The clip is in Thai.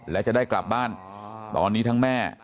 และจะได้กลับบ้านตอนนี้ทั้งแม่